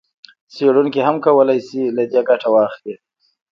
څېړونکي هم کولای شي له دې ګټه واخلي.